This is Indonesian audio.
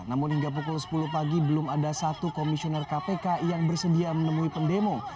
namun hingga pukul sepuluh pagi belum ada satu komisioner kpk yang bersedia menemui pendemo